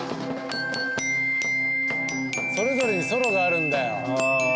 それぞれにソロがあるんだよ。